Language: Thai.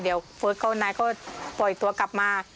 เดี๋ยวเฟิร์สเขานายก็ปล่อยตัวกลับมา